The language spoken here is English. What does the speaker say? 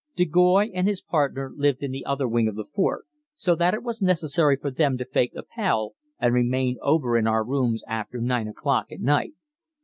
De Goys and his partner lived in the other wing of the fort, so that it was necessary for them to fake Appell and remain over in our rooms after 9 o'clock at night.